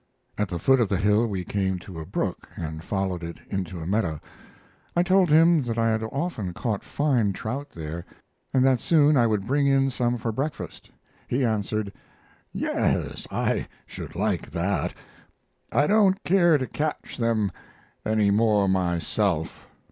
At the foot of the hill we came to a brook and followed it into a meadow. I told him that I had often caught fine trout there, and that soon I would bring in some for breakfast. He answered: "Yes, I should like that. I don't care to catch them any more myself.